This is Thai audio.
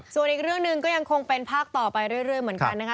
ส่วนอีกเรื่องหนึ่งก็ยังคงเป็นภาคต่อไปเรื่อยเหมือนกันนะคะ